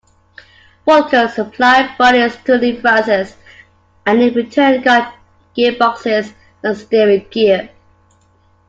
Vulcan supplied bodies to Lea-Francis and in return got gearboxes and steering gear.